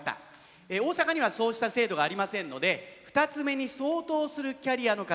大阪にはそうした制度がありませんので二ツ目に相当するキャリアの方。